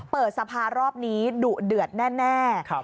เปิดสภารอบนี้ดุเดือดแน่